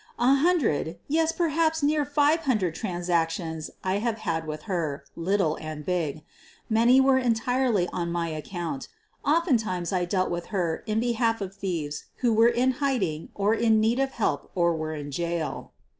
A hundred, yes, perhaps near five hundred transac tions I have had with her, little and big. Many were entirely on my own account, oftentimes I dealt with her in behalf of thieves who were in hiding or in need of help or were in jail.